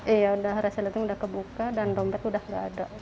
iya udah resetting sudah kebuka dan dompet sudah nggak ada